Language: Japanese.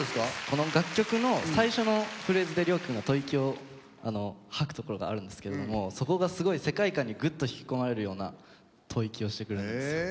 この楽曲の最初のフレーズでＲＹＯＫＩ君が吐息を吐くところがあるんですけれどもそこがすごい世界観にグッと引き込まれるような吐息をしてくれるんですよ。